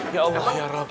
ya allah ya rabb